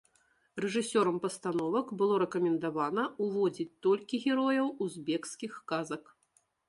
Рэжысёрам пастановак было рэкамендавана ўводзіць толькі герояў узбекскіх казак.